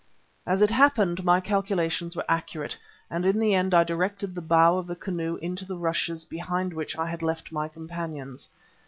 As it happened my calculations were accurate and in the end I directed the bow of the canoe into the rushes behind which I had left my companions.